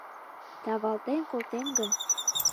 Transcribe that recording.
Тавалтен колтен гын